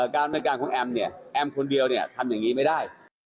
การระเมินการของแอมแอมคนเดียวทำอย่างนี้ไม่ได้